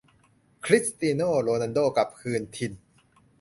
คริสเตียโน่ โรนัลโด้ กลับคืนถิ่น